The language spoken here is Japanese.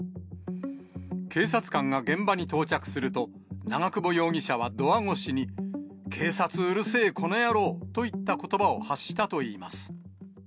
警察官が現場に到着すると、長久保容疑者はドア越しに、警察うるせえこの野郎といったことばを発したといいます。